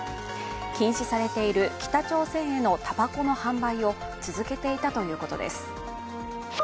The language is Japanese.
禁止されている北朝鮮へのたばこの販売を続けていたということです。